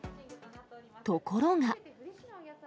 ところが。